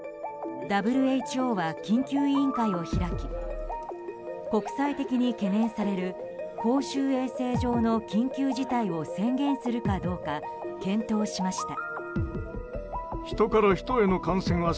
ＷＨＯは緊急委員会を開き国際的に懸念される公衆衛生上の緊急事態を宣言するかどうか検討しました。